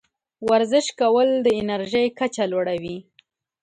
ورزش کول د انرژۍ کچه لوړوي.